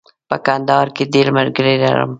په کندهار کې ډېر ملګري لرم.